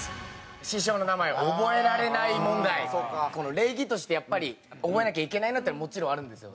礼儀としてやっぱり覚えなきゃいけないなってのはもちろんあるんですよ。